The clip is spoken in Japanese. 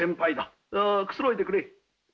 ああくつろいでくれ。